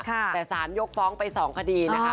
แต่สารยกฟ้องไป๒คดีนะคะ